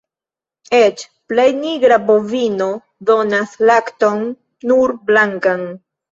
Eĉ plej nigra bovino donas lakton nur blankan.